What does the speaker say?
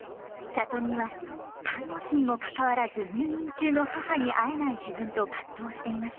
里美は看護師にもかかわらず入院中の母に会えない自分と葛藤していました。